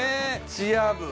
チア部。